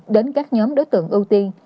đến các nhóm đối tượng ưu tiên